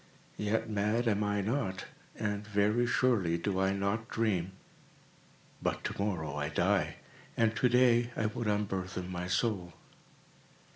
Yet, mad am I not—and very surely do I not dream. But to morrow I die, and to day I would unburthen my soul.